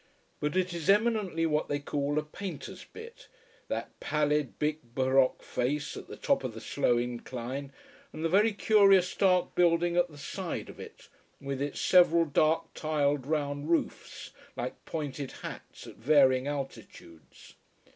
But it is eminently what they call a "painter's bit" that pallid, big baroque face, at the top of the slow incline, and the very curious dark building at the side of it, with its several dark tiled round roofs, like pointed hats, at varying altitudes.